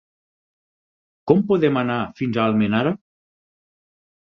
Com podem anar fins a Almenara?